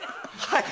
はい。